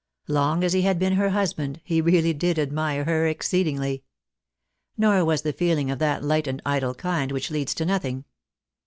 Long as he had been her husband, hie really did admire her exceedingly. Nor was the feeUng of that light and idle kind which leads to nothing.